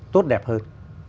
tốt đẹp hơn